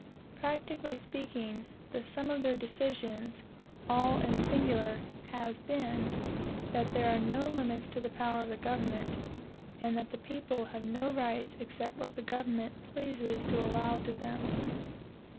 Practically speaking, the sum of their decisions, all and singular, has been, that there are no limits to the power of the government, and that the people have no rights except what the government pleases to allow to them.